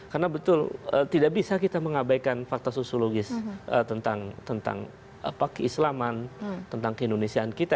karena betul tidak bisa kita mengabaikan fakta sosiologis tentang keislaman tentang keindonesiaan kita